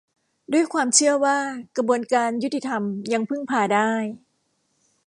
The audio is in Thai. ด้วยความเชื่อว่ากระบวนการยุติธรรมยังพึ่งพาได้